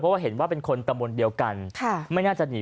เพราะว่าเห็นว่าเป็นคนตะมนต์เดียวกันไม่น่าจะหนี